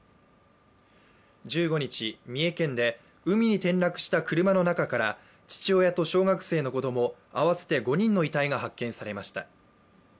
１５日、三重県で海に転落した車の中から父親と小学生の子供合わせて５人の遺体が発見されました。